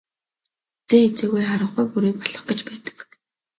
Хэзээ хэзээгүй харанхуй бүрий болох гэж байдаг.